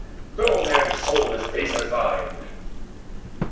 no man's soul is base as thine!